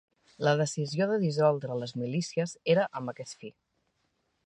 La decisió de dissoldre les milícies, era amb aquest fi